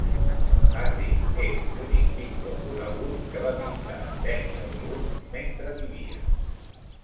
Harding és l"únic pintor conegut que va pintar Daniel Boone mentre vivia.